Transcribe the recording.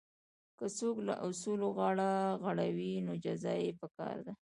که څوک له اصولو غاړه غړوي نو جزا یې پکار ده.